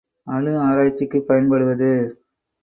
அணு ஆராய்ச்சிக்குப் பயன்படுவது.